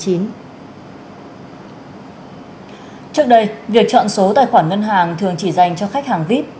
trước đây việc chọn số tài khoản ngân hàng thường chỉ dành cho khách hàng vip